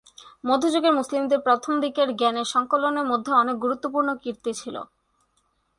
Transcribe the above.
মধ্যযুগের মুসলিমদের প্রথমদিকের জ্ঞানের সংকলনের মধ্যে অনেক গুরুত্বপূর্ণ কীর্তি ছিল।